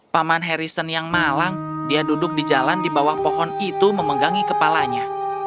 paman harrison yang malang dia duduk di jalan di bawah pohon itu memegangi kepalanya